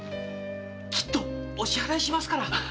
きっとお支払いしますから！